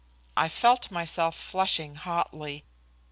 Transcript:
I felt myself flushing hotly.